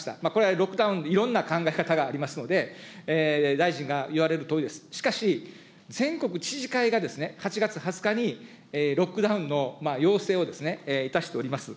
ロックダウン、いろんな考え方がありますので、大臣が言われるとおり、しかし、全国知事会が８月２０日に、ロックダウンの要請をいたしております。